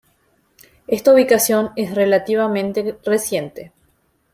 Esta ubicación es relativamente reciente.